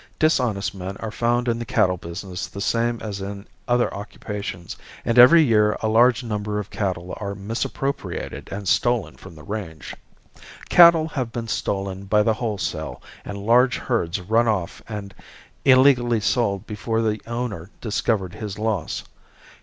Dishonest men are found in the cattle business the same as in other occupations and every year a large number of cattle are misappropriated and stolen from the range. Cattle have been stolen by the wholesale and large herds run off and illegally sold before the owner discovered his loss.